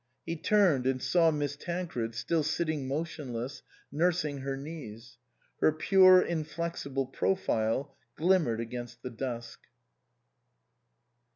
He turned and saw Miss Tancred still sitting motionless, nursing her knees ; her pure in flexible profile glimmered against the dusk.